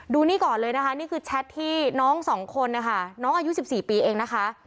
ดูนี่ก่อนเลยนะคะนี่คือแชทที่น้องสองคนนะคะน้องอายุ๑๔ปีเองนะคะ